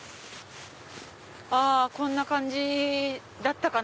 あこんな感じだったかな。